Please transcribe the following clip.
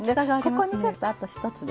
ここにちょっとあと１つですね。